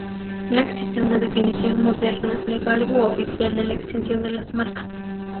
No existe una definición moderna legal u oficial de la extensión de las Marcas.